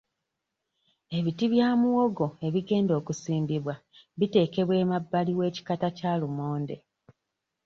Ebiti bya muwogo ebigenda okusimbibwa biteekebwa emabbali w'ekikata kya limonde.